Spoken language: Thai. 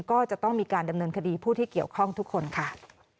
ก็จะต้องมีการดำเนินคดีผู้ที่เกี่ยวข้องทุกคนค่ะ